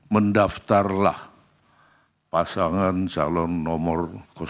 mendaftarlah pasangan calon nomor satu